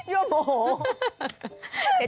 ยั่วโหม